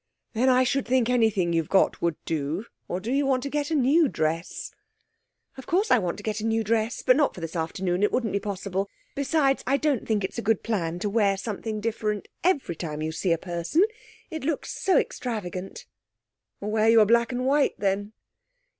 'Then I should think anything you've got would do. Or do you want to get a new dress?' 'Of course I want to get a new dress, but not for this afternoon. It wouldn't be possible. Besides, I don't think it's a good plan to wear something different every time you see a person. It looks so extravagant.' 'Wear your black and white, then.'